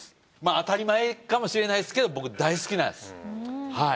当たり前かもしれないですけど僕大好きなんです。